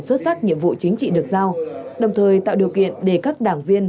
xuất sắc nhiệm vụ chính trị được giao đồng thời tạo điều kiện để các đảng viên